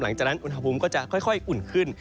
หลังจากนั้นอุณหภูมิก็จะค่อยอุ่นขึ้น